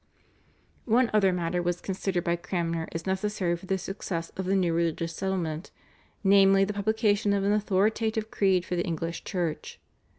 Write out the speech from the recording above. One other matter was considered by Cranmer as necessary for the success of the new religious settlement, namely, the publication of an authoritative creed for the English Church.